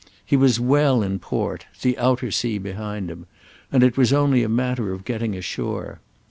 He was well in port, the outer sea behind him, and it was only a matter of getting ashore.